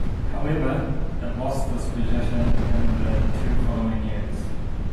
However, it lost this position in the two following years.